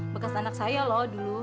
bekas anak saya loh dulu